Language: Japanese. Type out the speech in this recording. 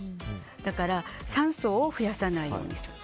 だから酸素を増やさないようにする。